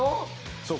そうか。